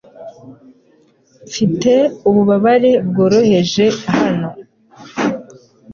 Mfite ububabare bworoheje hano .